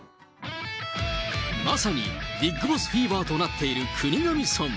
まさにビッグボスフィーバーとなっている国頭村。